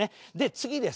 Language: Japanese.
次です。